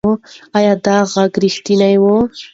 ایا دا غږ رښتیا و؟